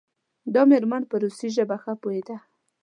دا میرمن په روسي ژبه ښه پوهیده.